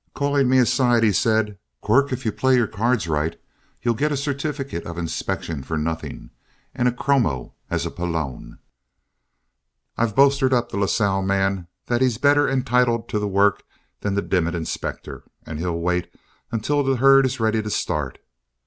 Calling me aside, he said: "Quirk, if you play your cards right, you'll get a certificate of inspection for nothing and a chromo as a pelon. I've bolstered up the Lasalle man that he's better entitled to the work than the Dimmit inspector, and he'll wait until the herd is ready to start.